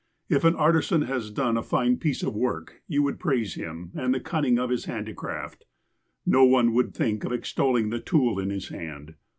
If an artisan has done a fine piece of work, you would praise him and the cunning of his handicraft. No one would think of extolling the tool in his hand.